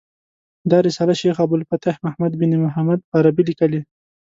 دا رساله شیخ ابو الفتح محمد بن محمد په عربي لیکلې.